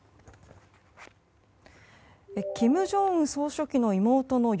金正恩総書記の妹の与